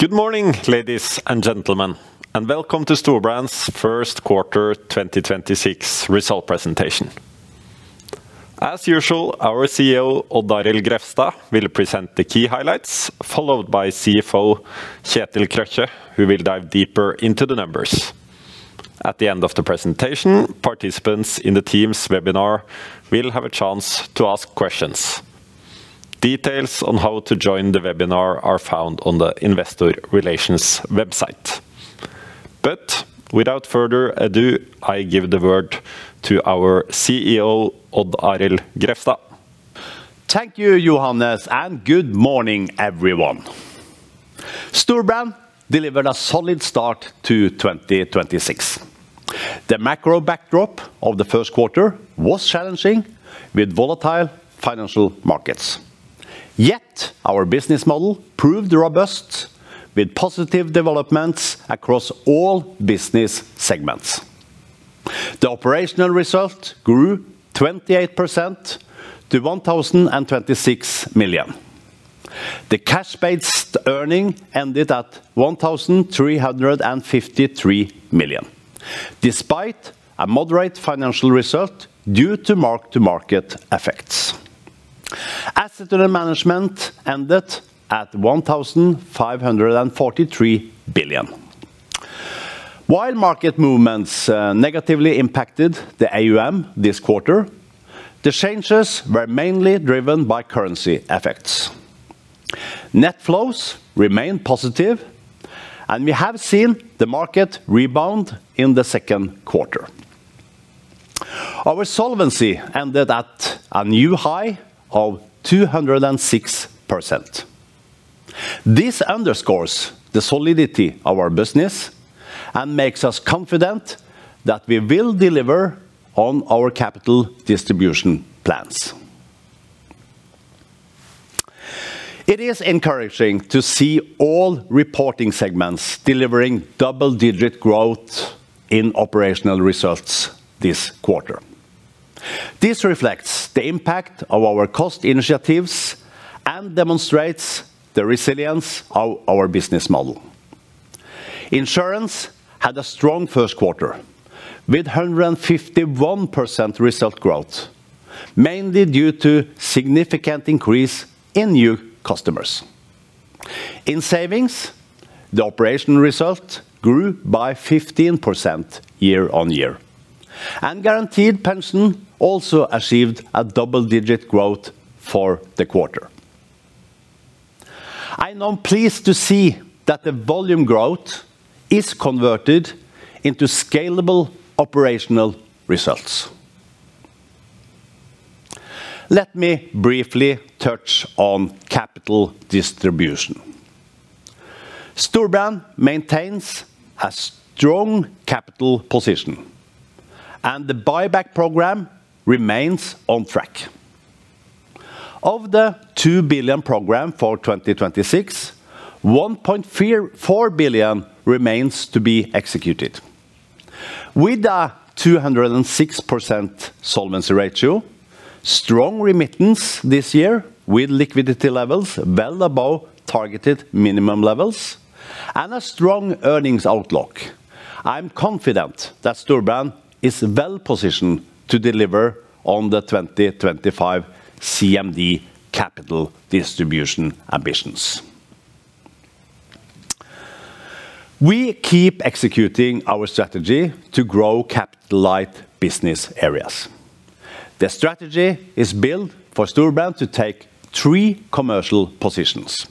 Good morning, ladies and gentlemen, and welcome to Storebrand's first quarter 2026 result presentation. As usual, our CEO, Odd Arild Grefstad, will present the key highlights, followed by CFO, Kjetil Krøkje, who will dive deeper into the numbers. At the end of the presentation, participants in the Team's webinar will have a chance to ask questions. Details on how to join the webinar are found on the investor relations website. Without further ado, I give the word to our CEO, Odd Arild Grefstad. Thank you, Johannes, and good morning, everyone. Storebrand delivered a solid start to 2026. The macro backdrop of the first quarter was challenging with volatile financial markets. Yet our business model proved robust with positive developments across all business segments. The operational result grew 28% to 1,026 million. The cash-based earning ended at 1,353 million, despite a moderate financial result due to mark-to-market effects. Asset under management ended at 1,543 billion. While market movements negatively impacted the AUM this quarter, the changes were mainly driven by currency effects. Net flows remain positive, and we have seen the market rebound in the second quarter. Our solvency ended at a new high of 206%. This underscores the solidity of our business and makes us confident that we will deliver on our capital distribution plans. It is encouraging to see all reporting segments delivering double-digit growth in operational results this quarter. This reflects the impact of our cost initiatives and demonstrates the resilience of our business model. Insurance had a strong first quarter with 151% result growth, mainly due to significant increase in new customers. In savings, the operational result grew by 15% year-on-year. Guaranteed pension also achieved a double-digit growth for the quarter. I am pleased to see that the volume growth is converted into scalable operational results. Let me briefly touch on capital distribution. Storebrand maintains a strong capital position, and the buyback program remains on track. Of the 2 billion program for 2026, 1.4 billion remains to be executed. With a 206% solvency ratio, strong remittance this year with liquidity levels well above targeted minimum levels and a strong earnings outlook, I'm confident that Storebrand is well-positioned to deliver on the 2025 CMD capital distribution ambitions. We keep executing our strategy to grow capital light business areas. The strategy is built for Storebrand to take three commercial positions.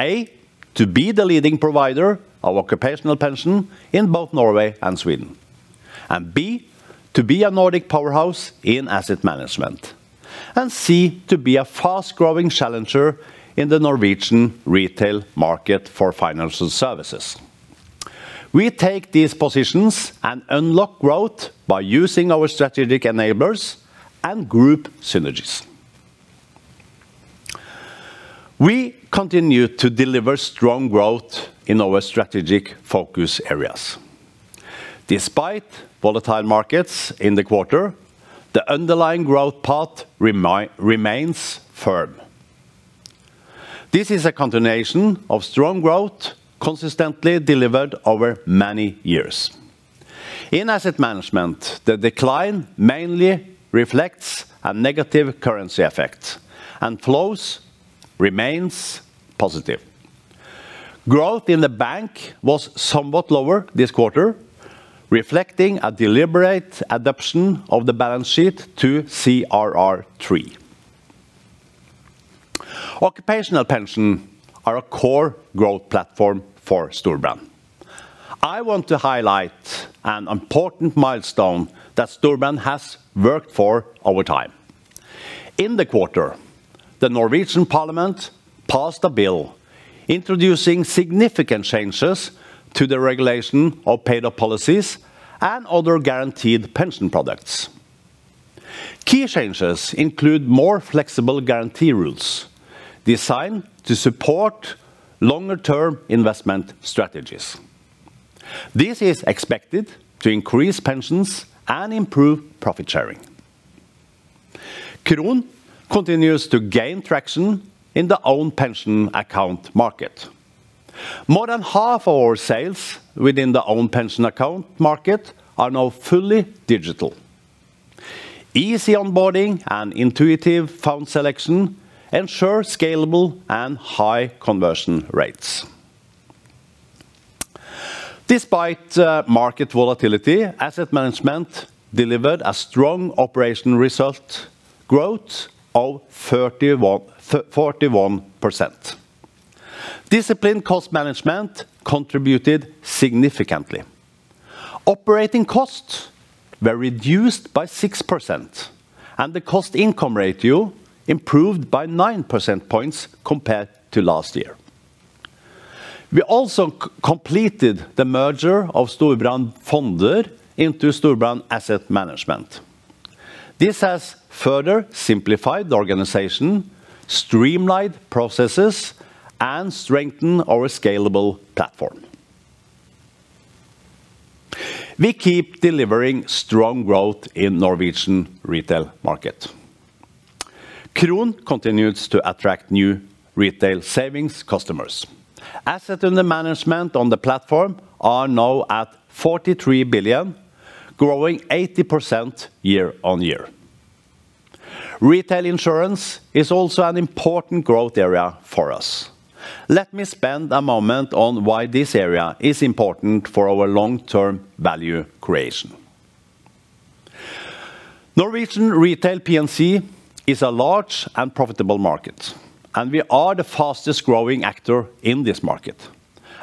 A, to be the leading provider of occupational pension in both Norway and Sweden. B, to be a Nordic powerhouse in Asset Management. C, to be a fast-growing challenger in the Norwegian retail market for financial services. We take these positions and unlock growth by using our strategic enablers and group synergies. We continue to deliver strong growth in our strategic focus areas. Despite volatile markets in the quarter, the underlying growth path remains firm. This is a continuation of strong growth consistently delivered over many years. In Asset Management, the decline mainly reflects a negative currency effect and flows remains positive. Growth in the bank was somewhat lower this quarter, reflecting a deliberate adaptation of the balance sheet to CRR3. Occupational pension are a core growth platform for Storebrand. I want to highlight an important milestone that Storebrand has worked for over time. In the quarter, the Norwegian Parliament passed a bill introducing significant changes to the regulation of paid-up policies and other guaranteed pension products. Key changes include more flexible guarantee rules designed to support longer-term investment strategies. This is expected to increase pensions and improve profit sharing. Kron continues to gain traction in the egen pensjonskonto market. More than half our sales within the egen pensjonskonto market are now fully digital. Easy onboarding and intuitive fund selection ensure scalable and high conversion rates. Despite market volatility, Asset Management delivered a strong operation result growth of 41%. Disciplined cost management contributed significantly. Operating costs were reduced by 6%, and the cost-to-income ratio improved by 9 percentage points compared to last year. We also completed the merger of Storebrand Fonder into Storebrand Asset Management. This has further simplified the organization, streamlined processes, and strengthened our scalable platform. We keep delivering strong growth in Norwegian retail market. Kron continues to attract new retail savings customers. Assets under management on the platform are now at 43 billion, growing 80% year-on-year. Retail insurance is also an important growth area for us. Let me spend a moment on why this area is important for our long-term value creation. Norwegian retail P&C is a large and profitable market. We are the fastest growing actor in this market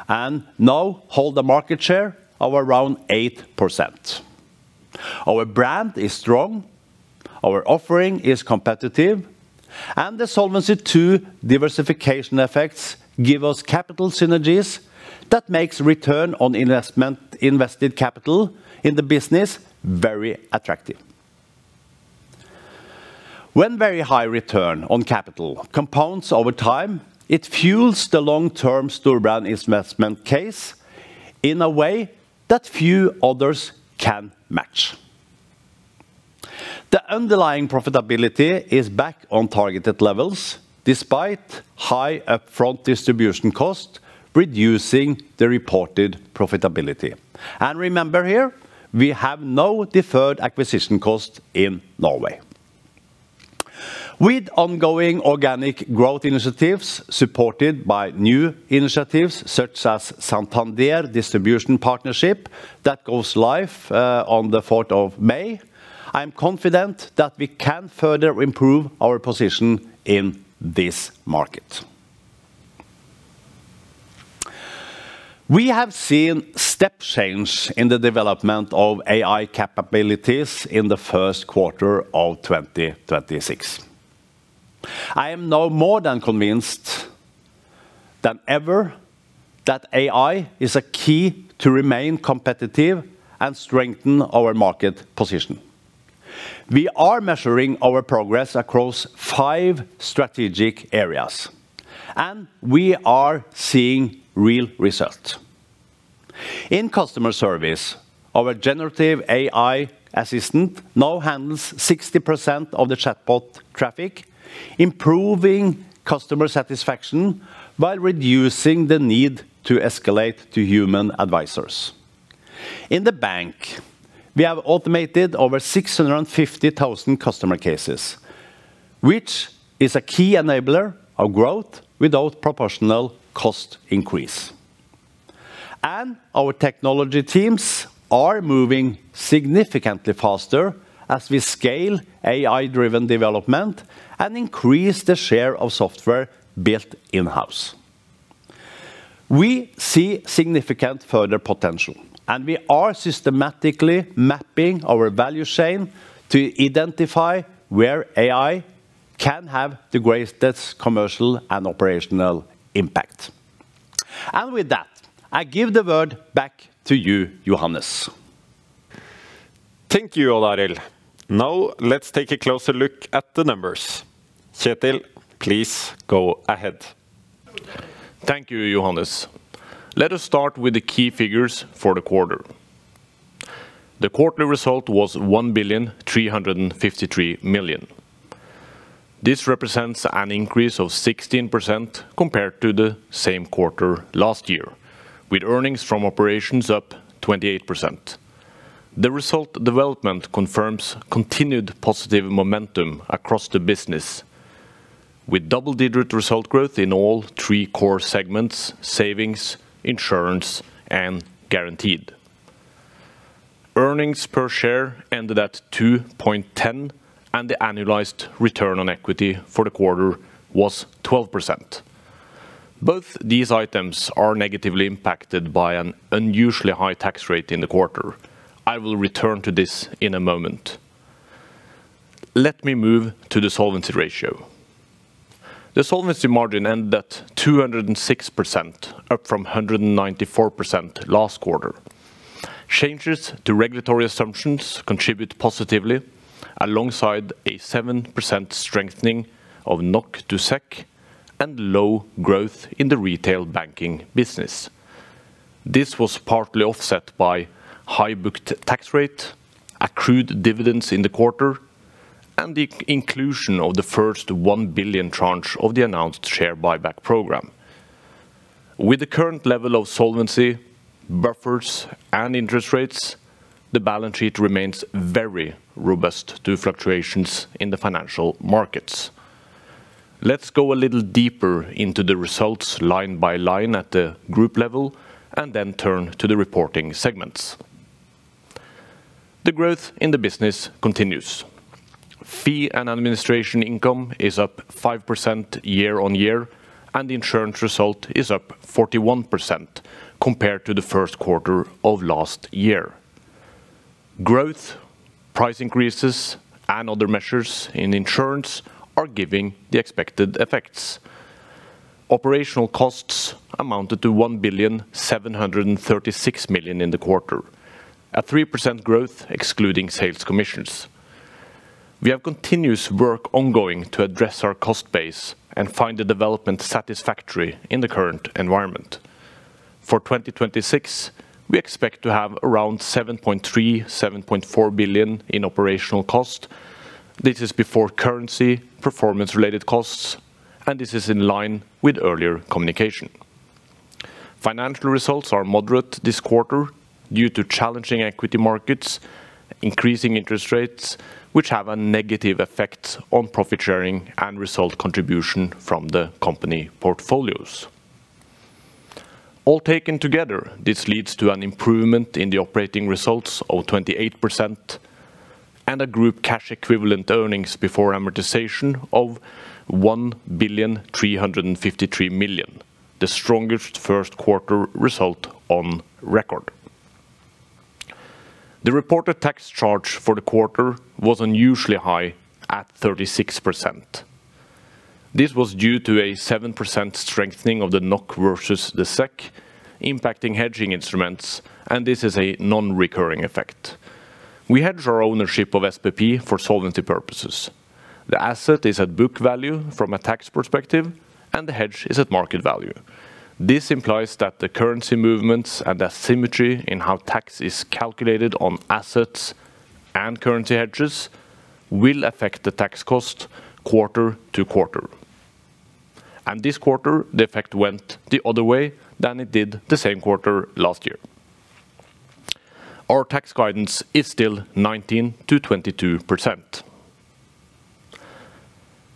and now hold a market share of around 8%. Our brand is strong, our offering is competitive. The Solvency II diversification effects give us capital synergies that makes return on investment invested capital in the business very attractive. When very high return on capital compounds over time, it fuels the long-term Storebrand investment case in a way that few others can match. The underlying profitability is back on targeted levels despite high upfront distribution costs, reducing the reported profitability. Remember here, we have no deferred acquisition costs in Norway. With ongoing organic growth initiatives supported by new initiatives such as Santander distribution partnership that goes live on the 4th of May, I'm confident that we can further improve our position in this market. We have seen step change in the development of AI capabilities in the first quarter of 2026. I am now more than convinced than ever that AI is a key to remain competitive and strengthen our market position. We are measuring our progress across five strategic areas. We are seeing real results. In customer service, our generative AI assistant now handles 60% of the chatbot traffic, improving customer satisfaction by reducing the need to escalate to human advisors. In the bank, we have automated over 650,000 customer cases, which is a key enabler of growth without proportional cost increase. Our technology teams are moving significantly faster as we scale AI driven development and increase the share of software built in-house. We see significant further potential, and we are systematically mapping our value chain to identify where AI can have the greatest commercial and operational impact. With that, I give the word back to you, Johannes. Thank you, Odd Arild. Now let's take a closer look at the numbers. Kjetil, please go ahead. Thank you, Johannes. Let us start with the key figures for the quarter. The quarterly result was 1,353 million. This represents an increase of 16% compared to the same quarter last year, with earnings from operations up 28%. The result development confirms continued positive momentum across the business, with double-digit result growth in all three core segments, savings, insurance, and guaranteed. Earnings per share ended at 2.10, and the annualized return on equity for the quarter was 12%. Both these items are negatively impacted by an unusually high tax rate in the quarter. I will return to this in a moment. Let me move to the solvency ratio. The solvency margin ended at 206%, up from 194% last quarter. Changes to regulatory assumptions contribute positively alongside a 7% strengthening of NOK to SEK and low growth in the retail banking business. This was partly offset by high booked tax rate, accrued dividends in the quarter, and the inclusion of the first 1 billion tranche of the announced share buyback program. With the current level of solvency, buffers, and interest rates, the balance sheet remains very robust to fluctuations in the financial markets. Let's go a little deeper into the results line by line at the group level, and then turn to the reporting segments. The growth in the business continues. Fee and administration income is up 5% year-on-year. Insurance result is up 41% compared to the first quarter of last year. Growth, price increases, and other measures in insurance are giving the expected effects. Operational costs amounted to 1,736 million in the quarter, a 3% growth excluding sales commissions. We have continuous work ongoing to address our cost base and find the development satisfactory in the current environment. For 2026, we expect to have around 7.3 billion, 7.4 billion in operational cost. This is before currency performance related costs, and this is in line with earlier communication. Financial results are moderate this quarter due to challenging equity markets, increasing interest rates, which have a negative effect on profit sharing and result contribution from the company portfolios. All taken together, this leads to an improvement in the operating results of 28% and a group cash equivalent earnings before amortization of 1,353 million, the strongest first quarter result on record. The reported tax charge for the quarter was unusually high at 36%. This was due to a 7% strengthening of the NOK versus the SEK impacting hedging instruments. This is a non-recurring effect. We hedge our ownership of SPP for solvency purposes. The asset is at book value from a tax perspective, and the hedge is at market value. This implies that the currency movements and the symmetry in how tax is calculated on assets and currency hedges will affect the tax cost quarter to quarter. This quarter, the effect went the other way than it did the same quarter last year. Our tax guidance is still 19%-22%.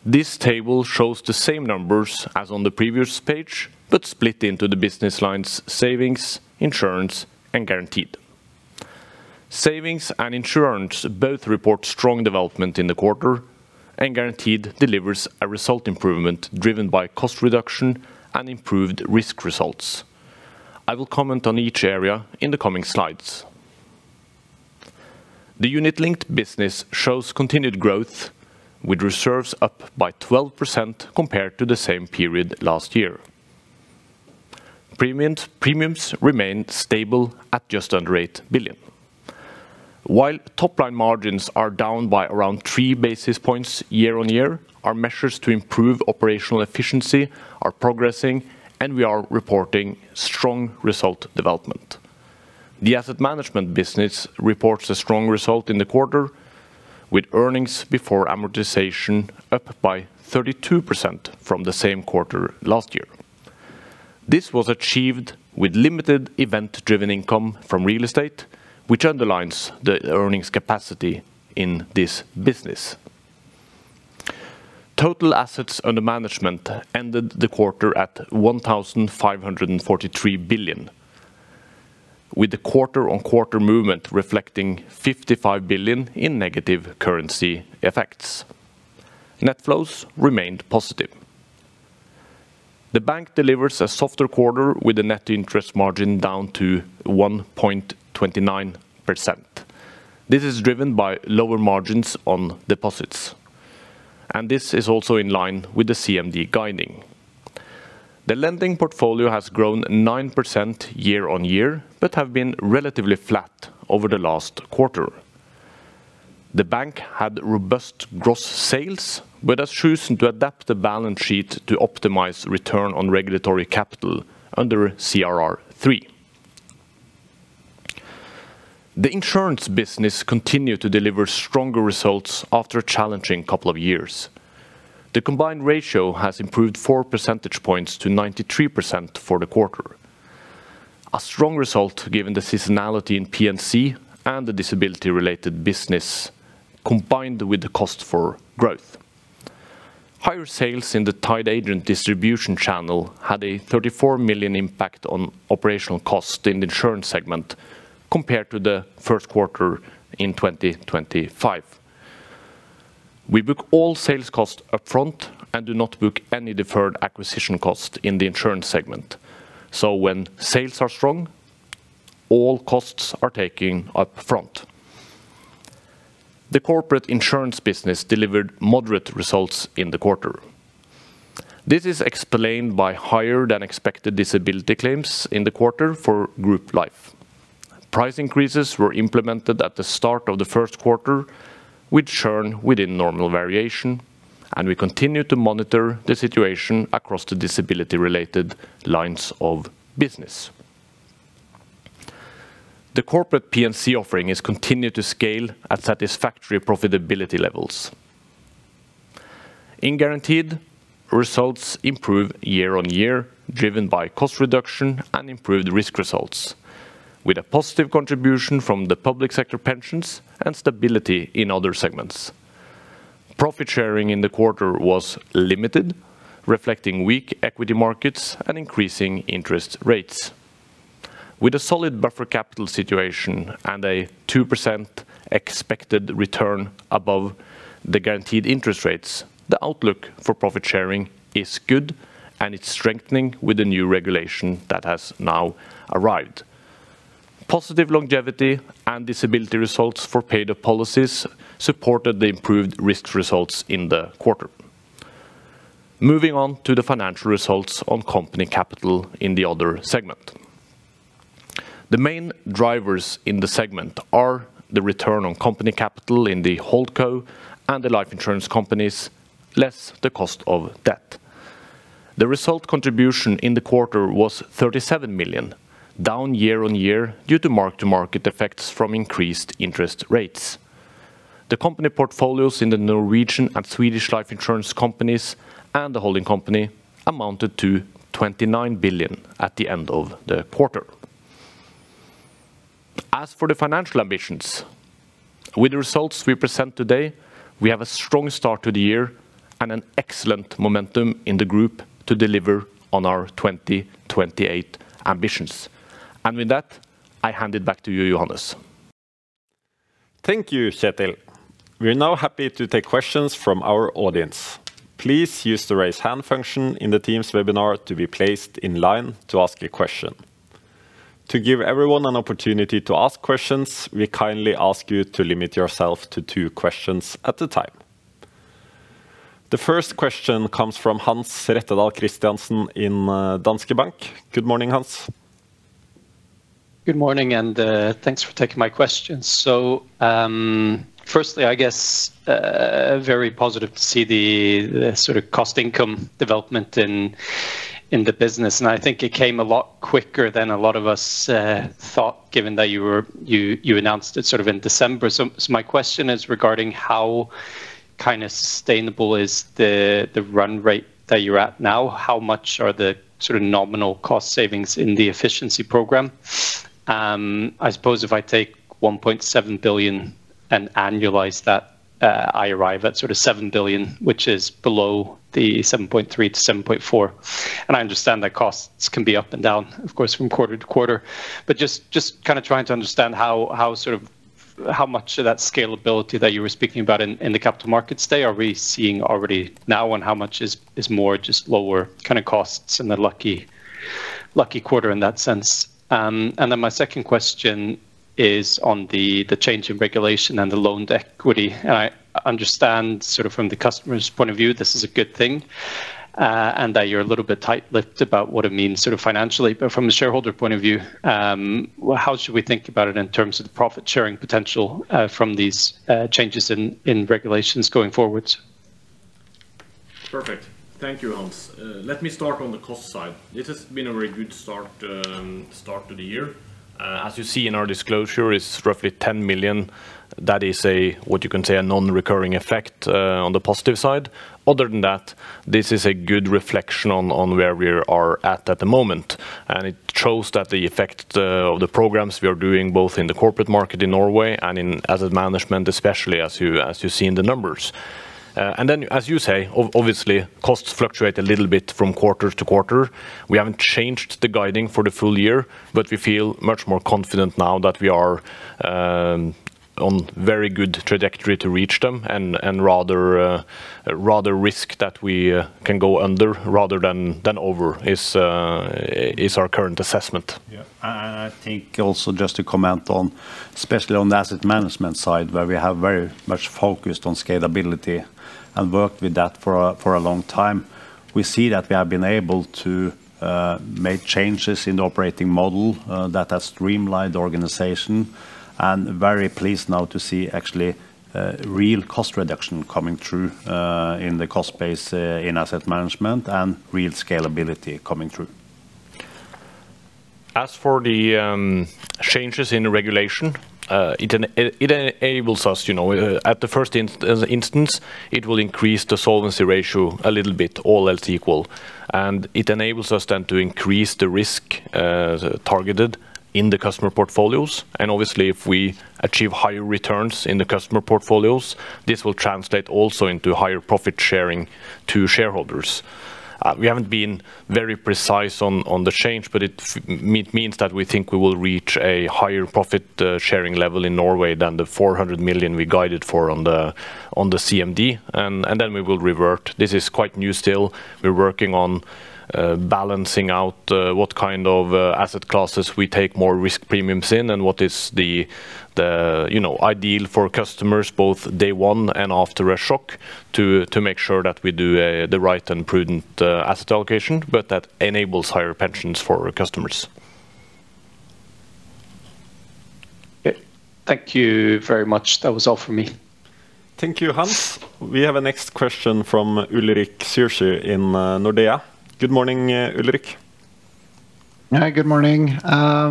This table shows the same numbers as on the previous page, but split into the business lines savings, insurance, and guaranteed. Savings and insurance both report strong development in the quarter, guaranteed delivers a result improvement driven by cost reduction and improved risk results. I will comment on each area in the coming slides. The unit-linked business shows continued growth with reserves up by 12% compared to the same period last year. Premiums remain stable at just under 8 billion. While top line margins are down by around 3 basis points year-on-year, our measures to improve operational efficiency are progressing, we are reporting strong result development. The Asset Management business reports a strong result in the quarter with earnings before amortization up by 32% from the same quarter last year. This was achieved with limited event driven income from real estate, which underlines the earnings capacity in this business. Total assets under management ended the quarter at 1,543 billion, with the quarter-on-quarter movement reflecting 55 billion in negative currency effects. Net flows remained positive. The bank delivers a softer quarter with a net interest margin down to 1.29%. This is driven by lower margins on deposits, and this is also in line with the CMD guiding. The lending portfolio has grown 9% year-on-year but have been relatively flat over the last quarter. The bank had robust gross sales, but has chosen to adapt the balance sheet to optimize return on regulatory capital under CRR3. The insurance business continued to deliver stronger results after a challenging couple of years. The combined ratio has improved 4 percentage points to 93% for the quarter. A strong result given the seasonality in P&C and the disability related business combined with the cost for growth. Higher sales in the tied agent distribution channel had a 34 million impact on operational cost in the insurance segment compared to the first quarter in 2025. We book all sales costs up front and do not book any Deferred Acquisition Costs in the insurance segment. When sales are strong, all costs are taken up front. The corporate insurance business delivered moderate results in the quarter. This is explained by higher than expected disability claims in the quarter for Group Life. Price increases were implemented at the start of the first quarter with churn within normal variation, and we continue to monitor the situation across the disability related lines of business. The corporate P&C offering has continued to scale at satisfactory profitability levels. In guaranteed, results improve year-on-year, driven by cost reduction and improved risk results, with a positive contribution from the public sector pensions and stability in other segments. Profit sharing in the quarter was limited, reflecting weak equity markets and increasing interest rates. With a solid buffer capital situation and a 2% expected return above the guaranteed interest rates, the outlook for profit sharing is good, and it's strengthening with the new regulation that has now arrived. Positive longevity and disability results for paid-up policies supported the improved risk results in the quarter. Moving on to the financial results on company capital in the other segment. The main drivers in the segment are the return on company capital in the Holdco and the life insurance companies, less the cost of debt. The result contribution in the quarter was 37 million, down year-on-year due to mark-to-market effects from increased interest rates. The company portfolios in the Norwegian and Swedish life insurance companies and the holding company amounted to 29 billion at the end of the quarter. As for the financial ambitions, with the results we present today, we have a strong start to the year and an excellent momentum in the group to deliver on our 2028 ambitions. With that, I hand it back to you, Johannes. Thank you, Kjetil. We are now happy to take questions from our audience. Please use the Raise Hand function in the Team's webinar to be placed in line to ask a question. To give everyone an opportunity to ask questions, we kindly ask you to limit yourself to two questions at a time. The first question comes from Hans Rettedal Christiansen in Danske Bank. Good morning, Hans. Good morning, thanks for taking my question. Firstly, I guess, very positive to see the sort of cost income development in the business, and I think it came a lot quicker than a lot of us thought, given that you announced it sort of in December. My question is regarding how kind of sustainable is the run rate that you're at now. How much are the sort of nominal cost savings in the efficiency program? I suppose if I take 1.7 billion and annualize that, I arrive at sort of 7 billion, which is below the 7.3 billion-7.4 billion. I understand that costs can be up and down, of course, from quarter to quarter. Just kinda trying to understand how sort of, how much of that scalability that you were speaking about in the Capital Markets Day are we seeing already now and how much is more just lower kinda costs in the lucky quarter in that sense. Then my second question is on the change in regulation and the loan to equity. I understand sort of from the customer's point of view, this is a good thing, and that you're a little bit tight-lipped about what it means sort of financially. From a shareholder point of view, how should we think about it in terms of the profit sharing potential from these changes in regulations going forwards? Perfect. Thank you, Hans. Let me start on the cost side. This has been a very good start to the year. As you see in our disclosure, it's roughly 10 million. That is a, what you can say, a non-recurring effect on the positive side. Other than that, this is a good reflection on where we are at the moment. And it shows that the effect of the programs we are doing both in the corporate market in Norway and in Asset Management, especially as you see in the numbers. Then as you say, obviously, costs fluctuate a little bit from quarter to quarter. We haven't changed the guiding for the full year, but we feel much more confident now that we are on very good trajectory to reach them and rather risk that we can go under rather than over is our current assessment. Yeah. I think also just to comment on, especially on the Asset Management side, where we have very much focused on scalability and worked with that for a long time. We see that we have been able to make changes in the operating model that has streamlined the organization, and very pleased now to see actually real cost reduction coming through in the cost base in Asset Management and real scalability coming through. As for the changes in the regulation, it enables us, you know, at the first instance, it will increase the solvency ratio a little bit, all else equal. It enables us then to increase the risk targeted in the customer portfolios. Obviously, if we achieve higher returns in the customer portfolios, this will translate also into higher profit sharing to shareholders. We haven't been very precise on the change, but it means that we think we will reach a higher profit sharing level in Norway than 400 million we guided for on the CMD. Then we will revert. This is quite new still. We're working on balancing out what kind of asset classes we take more risk premiums in and what is the, you know, ideal for customers both day one and after a shock to make sure that we do the right and prudent asset allocation, but that enables higher pensions for our customers. Thank you very much. That was all from me. Thank you, Hans. We have a next question from Ulrik Zürcher in Nordea. Good morning, Ulrik. Hi, good morning. I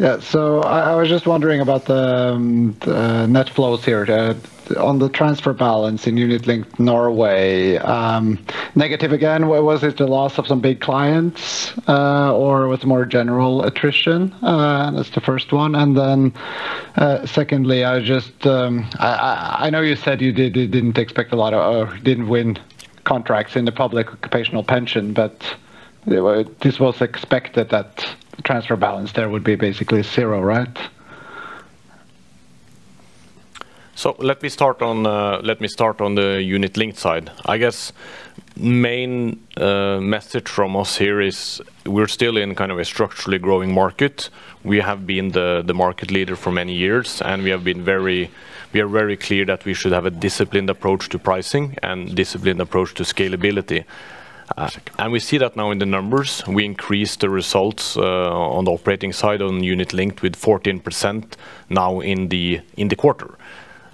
was just wondering about the net flows here on the transfer balance in unit-linked Norway, negative again. Was it the loss of some big clients, or was it more general attrition? That's the first one. Secondly, I just, I know you said you didn't win contracts in the public occupational pension, but this was expected that transfer balance there would be basically zero, right? Let me start on the unit-linked side. I guess main message from us here is we're still in kind of a structurally growing market. We have been the market leader for many years, and we are very clear that we should have a disciplined approach to pricing and disciplined approach to scalability. We see that now in the numbers. We increased the results on the operating side on unit-linked with 14% now in the quarter.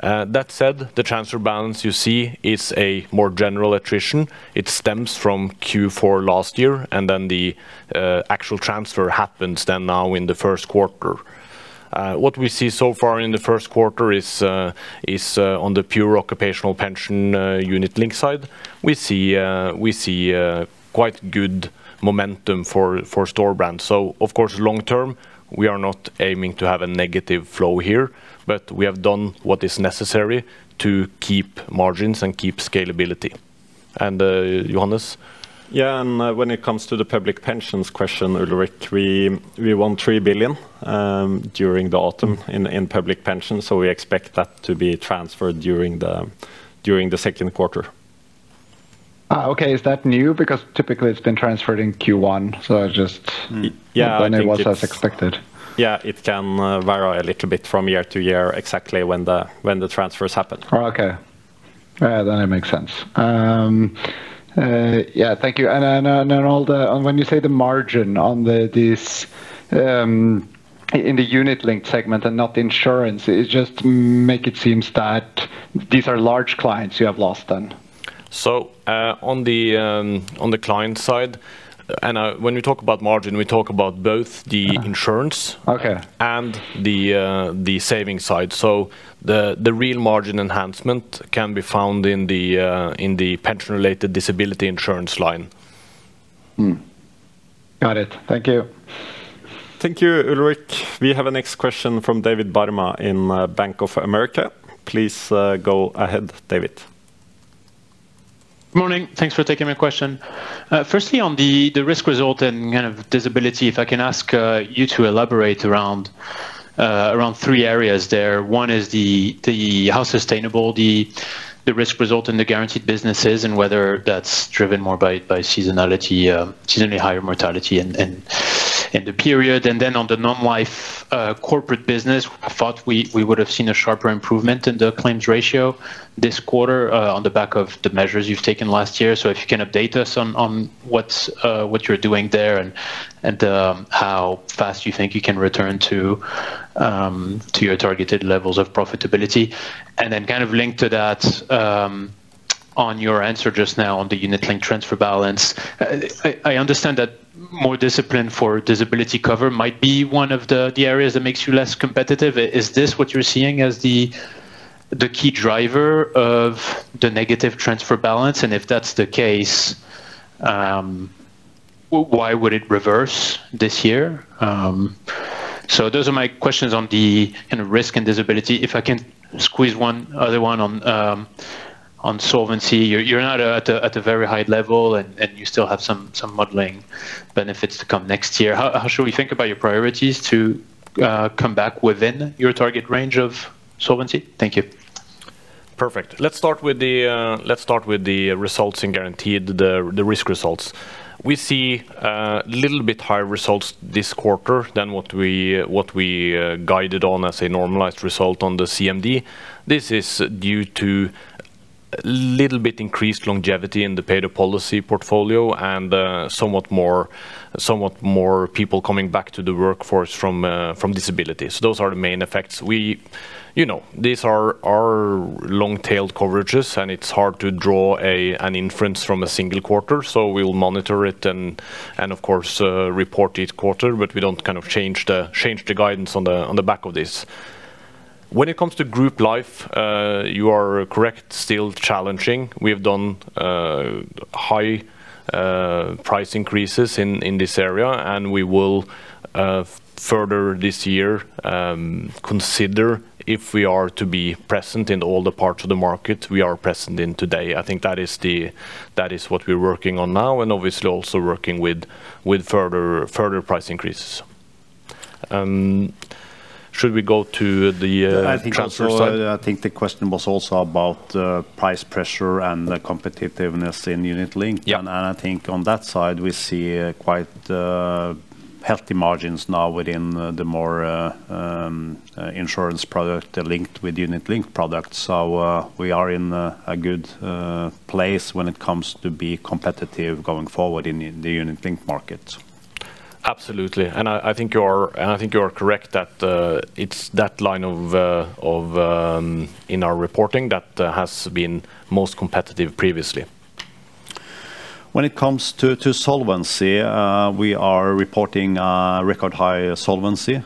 That said, the transfer balance you see is a more general attrition. It stems from Q4 last year, and then the actual transfer happens then now in the first quarter. What we see so far in the first quarter is on the pure occupational pension unit-linked side. We see quite good momentum for Storebrand. Of course, long-term, we are not aiming to have a negative flow here, but we have done what is necessary to keep margins and keep scalability. Johannes? When it comes to the public pensions question, Ulrik, we won 3 billion during the autumn in public pensions. We expect that to be transferred during the second quarter. Okay. Is that new? Typically it's been transferred in Q1. Yeah, I think it's. Wondering was as expected. It can vary a little bit from year to year exactly when the, when the transfers happen. Okay. Then it makes sense. Yeah, thank you. When you say the margin on the, this, in the unit-linked segment and not insurance, it just make it seems that these are large clients you have lost then? On the client side, and when we talk about margin, we talk about both the insurance. Okay... and the saving side. The, the real margin enhancement can be found in the, in the pension related disability insurance line. Got it. Thank you. Thank you, Ulrik. We have a next question from David Barma in Bank of America. Please go ahead, David. Morning. Thanks for taking my question. Firstly, on the risk result and kind of disability, if I can ask you to elaborate around three areas there. One is the how sustainable the risk result in the guaranteed business is, and whether that's driven more by seasonality, seasonally higher mortality in the period. On the non-life corporate business, I thought we would have seen a sharper improvement in the claims ratio this quarter on the back of the measures you've taken last year. If you can update us on what you're doing there and how fast you think you can return to your targeted levels of profitability? Kind of linked to that, on your answer just now on the unit-linked transfer balance, I understand that more discipline for disability cover might be one of the areas that makes you less competitive. Is this what you're seeing as the key driver of the negative transfer balance? If that's the case, why would it reverse this year? Those are my questions on the kind of risk and disability. If I can squeeze one other one on solvency. You're now at a very high level, and you still have some modeling benefits to come next year. How should we think about your priorities to come back within your target range of solvency? Thank you. Perfect. Let's start with the results in guaranteed, the risk results. We see little bit higher results this quarter than what we guided on as a normalized result on the CMD. This is due to little bit increased longevity in the paid-up policy portfolio and somewhat more people coming back to the workforce from disability. Those are the main effects. We, you know, these are our long-tailed coverages, and it's hard to draw an inference from a single quarter. We'll monitor it and of course, report each quarter, but we don't kind of change the guidance on the back of this. When it comes to group life, you are correct, still challenging. We have done high price increases in this area, and we will further this year consider if we are to be present in all the parts of the market we are present in today. I think that is what we're working on now, and obviously also working with further price increases. Should we go to the transfer side? I think also, I think the question was also about price pressure and the competitiveness in unit-linked. Yeah. I think on that side, we see quite healthy margins now within the more insurance product linked with unit-linked products. We are in a good place when it comes to be competitive going forward in the unit-linked market. Absolutely. I think you are correct that it's that line of in our reporting that has been most competitive previously. When it comes to solvency, we are reporting record high solvency.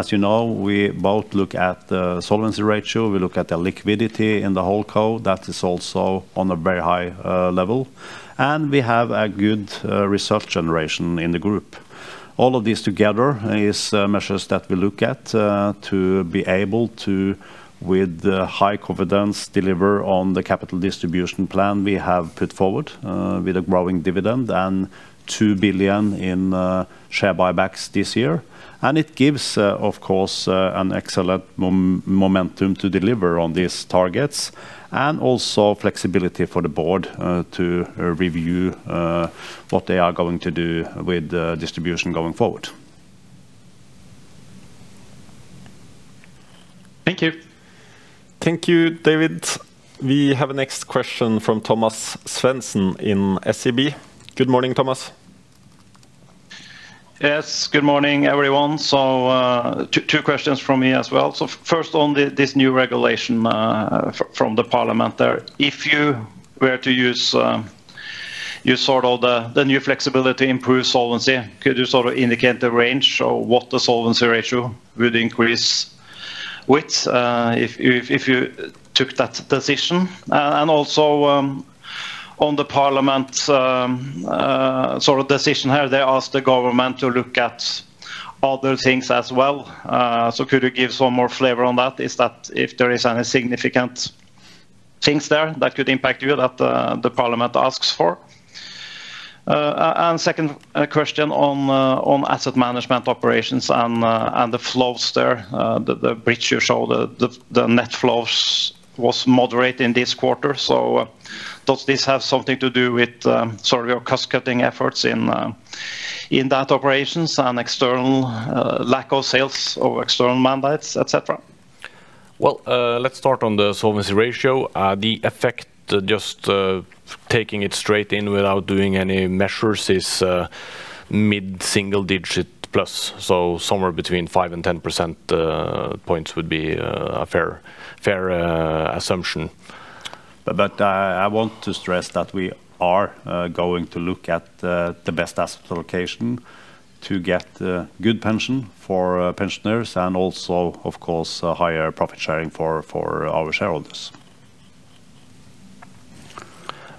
As you know, we both look at the solvency ratio, we look at the liquidity in the Holdco. That is also on a very high level. We have a good reserve generation in the group. All of these together is measures that we look at to be able to, with the high confidence, deliver on the capital distribution plan we have put forward, with a growing dividend and 2 billion in share buybacks this year. It gives, of course, an excellent momentum to deliver on these targets and also flexibility for the board to review what they are going to do with the distribution going forward. Thank you. Thank you, David. We have a next question from Thomas Svendsen in SEB. Good morning, Thomas. Yes, good morning, everyone. two questions from me as well. First on this new regulation from the Parliament there. If you were to use, you sort all the new flexibility improved solvency, could you sort of indicate the range of what the solvency ratio would increase with, if you took that decision? Also, on the Parliament's decision here, they asked the government to look at other things as well. Could you give some more flavor on that? Is that if there is any significant things there that could impact you that the Parliament asks for? Second question on Asset Management operations and the flows there. The bridge you show the net flows was moderate in this quarter. Does this have something to do with, sorry, your cost-cutting efforts in that operations and external, lack of sales or external mandates, et cetera? Well, let's start on the solvency ratio. The effect just taking it straight in without doing any measures is mid-single-digit plus. Somewhere between 5 and 10 percentage points would be a fair assumption. I want to stress that we are going to look at the best asset location to get good pension for pensioners and also, of course, a higher profit sharing for our shareholders.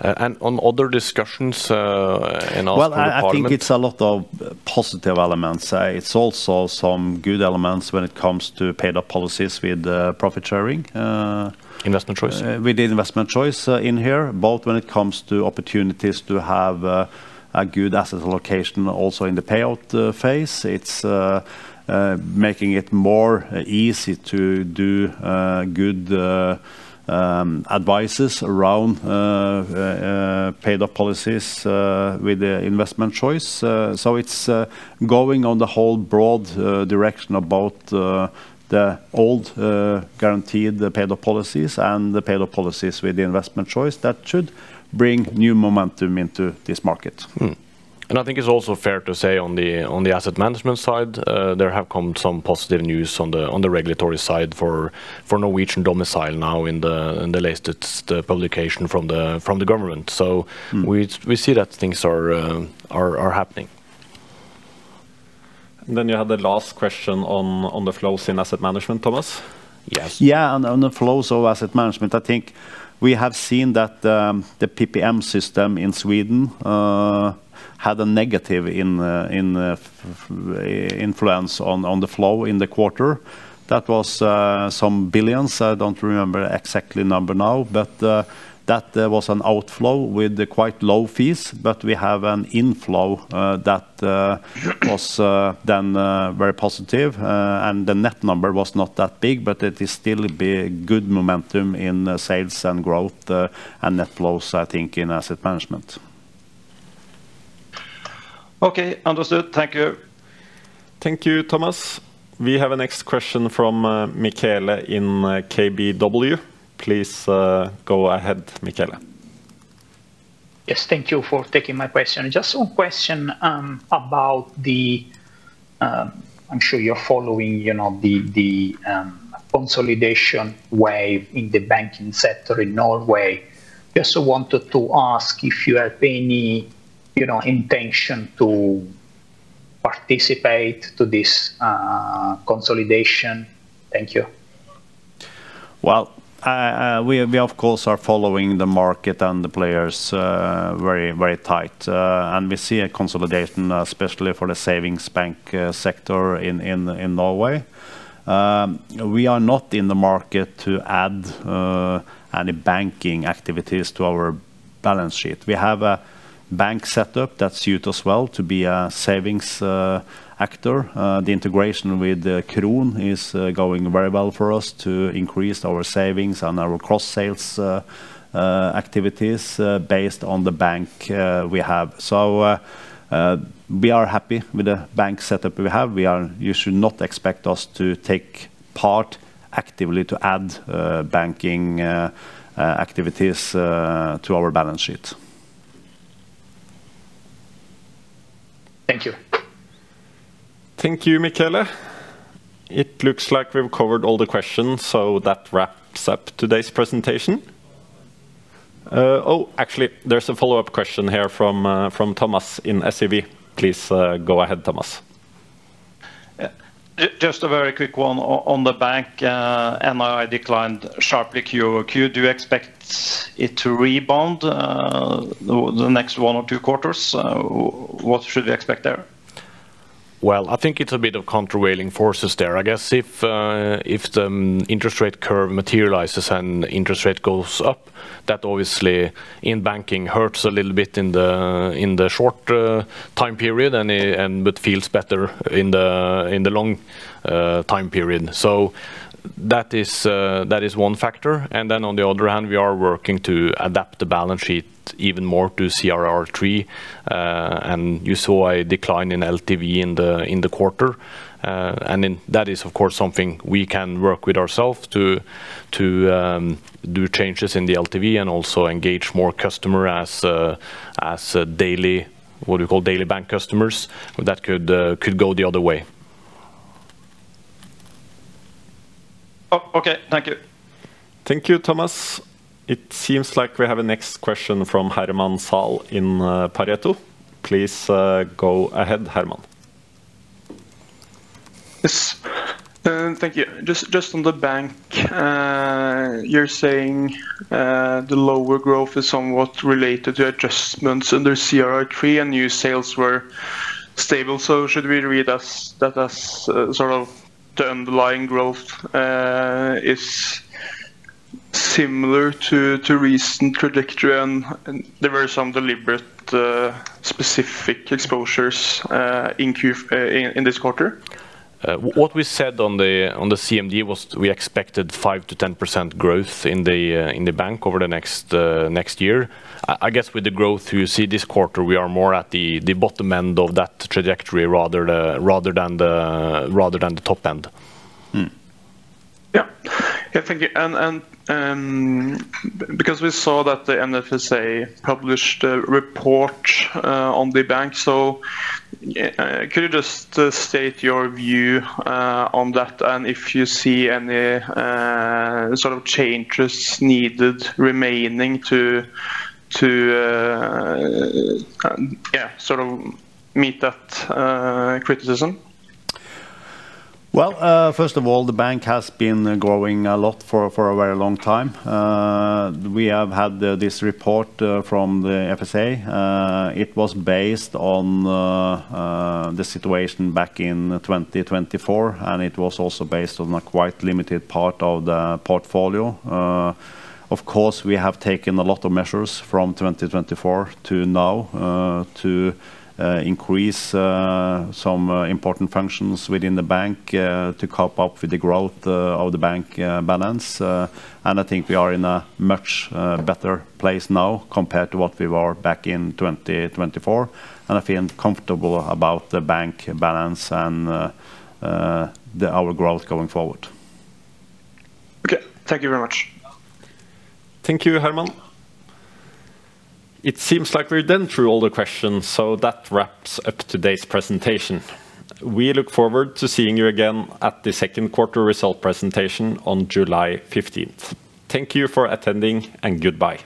On other discussions, in our school department- Well, I think it's a lot of positive elements. It's also some good elements when it comes to paid-up policies with profit sharing. Investment choice... with the investment choice, in here, both when it comes to opportunities to have a good asset location also in the payout phase. It's making it more easy to do good advices around paid-up policies with the investment choice. It's going on the whole broad direction about the old guaranteed paid-up policies and the paid-up policies with the investment choice. That should bring new momentum into this market. I think it's also fair to say on the, on the Asset Management side, there have come some positive news on the, on the regulatory side for Norwegian domicile now in the, in the latest, the publication from the, from the government we see that things are happening. You have the last question on the flows in Asset Management, Thomas? Yes. Yeah, on the flows of Asset Management, I think we have seen that the PPM system in Sweden had a negative influence on the flow in the quarter. That was some billions. I don't remember exactly number now, but that there was an outflow with quite low fees. We have an inflow that was then very positive. The net number was not that big, but it is still be good momentum in sales and growth, and net flows, I think, in Asset Management. Okay. Understood. Thank you. Thank you, Thomas. We have a next question from Michele in KBW. Please go ahead, Michele. Yes, thank you for taking my question. Just one question. I'm sure you're following, you know, the consolidation wave in the banking sector in Norway. Just wanted to ask if you have any, you know, intention to participate to this consolidation. Thank you. Well, we, of course, are following the market and the players very, very tight. We see a consolidation, especially for the savings bank sector in Norway. We are not in the market to add any banking activities to our balance sheet. We have a bank set up that suit us well to be a savings actor. The integration with Kron is going very, very well for us to increase our savings and our cross sales activities based on the bank we have. We are happy with the bank set up we have. You should not expect us to take part actively to add banking activities to our balance sheet. Thank you. Thank you, Michele. It looks like we've covered all the questions, so that wraps up today's presentation. Oh, actually, there's a follow-up question here from Thomas in SEB. Please, go ahead, Thomas. Just a very quick one on the bank. NII declined sharply Q over Q. Do you expect it to rebound the next one or two quarters? What should we expect there? I think it's a bit of countervailing forces there. I guess if the interest rate curve materializes and interest rate goes up, that obviously in banking hurts a little bit in the short time period and but feels better in the long time period. That is one factor. On the other hand, we are working to adapt the balance sheet even more to CRR3. You saw a decline in LTV in the quarter. That is, of course, something we can work with ourself to do changes in the LTV and also engage more customer as a daily, what you call daily bank customers. That could go the other way. Oh, okay. Thank you. Thank you, Thomas. It seems like we have a next question from Herman Zahl in Pareto. Please go ahead, Herman. Yes. Thank you. Just on the bank. You're saying the lower growth is somewhat related to adjustments under CRR3, and new sales were stable. Should we read as, that as, sort of the underlying growth is similar to recent trajectory and there were some deliberate specific exposures in this quarter? What we said on the CMD was we expected 5%-10% growth in the bank over the next year. I guess with the growth you see this quarter, we are more at the bottom end of that trajectory rather than the top end. Yeah, thank you. Because we saw that the NFSA published a report on the bank. Could you just state your view on that and if you see any sort of changes needed remaining to meet that criticism? Well, first of all, the bank has been growing a lot for a very long time. We have had this report from the FSA. It was based on the situation back in 2024, and it was also based on a quite limited part of the portfolio. Of course, we have taken a lot of measures from 2024 to now, to increase some important functions within the bank, to cope up with the growth of the bank balance. I think we are in a much better place now compared to what we were back in 2024. I feel comfortable about the bank balance and our growth going forward. Okay. Thank you very much. Thank you, Herman. It seems like we're done through all the questions, so that wraps up today's presentation. We look forward to seeing you again at the second quarter result presentation on July 15th. Thank you for attending and goodbye.